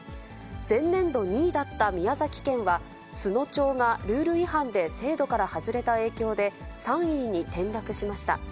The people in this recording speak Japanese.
前年度２位だった宮崎県は、都農町がルール違反で制度から外れた影響で、３位に転落しました。